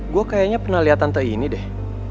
gue kayaknya pernah lihat tante ini deh